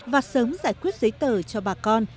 và sớm giải quyết giấy tờ cho bà con